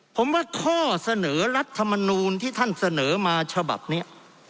ผมว่าข้อเสนอรัฐมนูลที่ท่านเสนอมาฉบับนี้